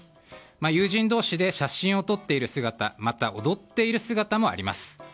友人同士で写真を撮っている姿または踊っている姿もあります。